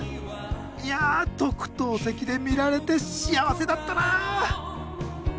いや特等席で見られて幸せだったなあ。